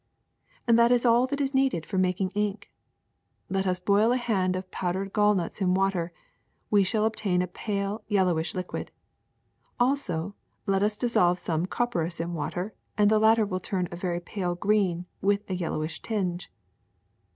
'^That is all that is needed for making ink. Let us boil a handful of pounded gallnuts in water; we shall obtain a pale yellowish liquid. Also, let us dis solve some copperas in water, and the latter will turn a very pale green with a yellowish tinge.